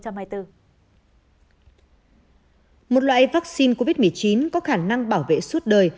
một loại vắc xin covid một mươi chín có khả năng bảo vệ suốt đời